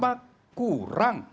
ya terus terusan keamanan yang sama